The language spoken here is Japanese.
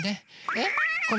えっこれ？